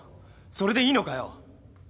それでいいのかよ？